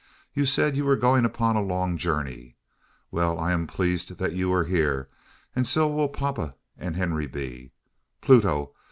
You said you were going upon a long journey. Well I am pleased that you are here; and so will papa and Henry be. Pluto!